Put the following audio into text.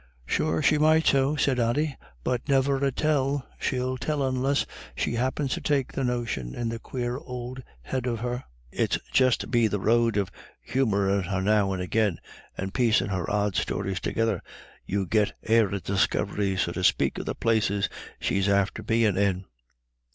"Sure she might so," said Ody. "But niver a tell she'll tell onless she happens to take the notion in the quare ould head of her. It's just be the road of humouring her now and agin, and piecin' her odd stories together, you git e'er a discovery, so to spake, of the places she's after bein' in."